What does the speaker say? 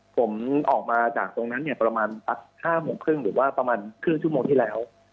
ผมออกมาจากตรงนั้นเนี่ยประมาณสัก๕โมงครึ่งหรือว่าประมาณครึ่งชั่วโมงที่แล้ว